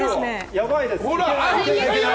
やばいですね！